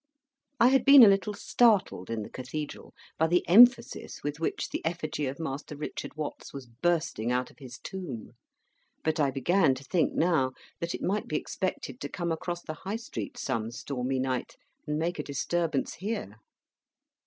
I had been a little startled, in the Cathedral, by the emphasis with which the effigy of Master Richard Watts was bursting out of his tomb; but I began to think, now, that it might be expected to come across the High Street some stormy night, and make a disturbance here.